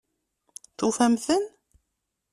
Tufam-ten?